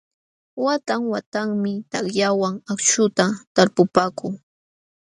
Watan watanmi takllawan akśhuta talpupaakuu.